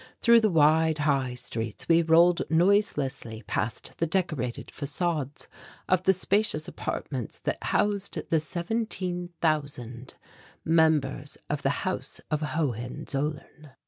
Through the wide, high streets we rolled noiselessly past the decorated facades of the spacious apartments that housed the seventeen thousand members of the House of Hohenzollern.